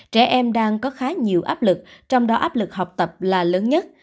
trẻ em đang có khá nhiều áp lực trong đó áp lực học tập là lớn nhất